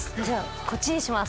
こっちにします！